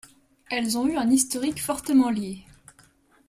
Elles ont eu un historique fortement lié.